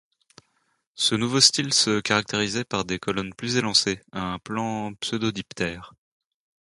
Ce nouveau style se caractérisait par des colonnes plus élancées, un plan pseudodiptère.